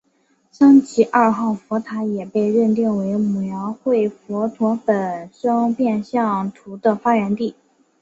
桑吉二号佛塔也被认定为描绘佛陀本生变相图的发源地。